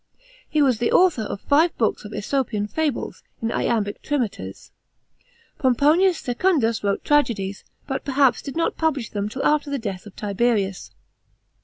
He was the author of five Books of ^Esopian fables, in iambic trimeters. POMPONIUS SECUNDUS wrote tragedies, but perhaps did not publish them till after the death of Tiberius.